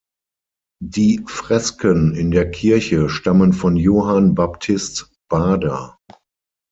Die Fresken in der Kirche stammen von Johann Baptist Baader.